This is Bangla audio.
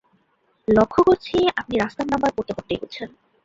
লক্ষ করছি আপনি রাস্তার নাম্বার পড়তে পড়তে এগুচ্ছেন।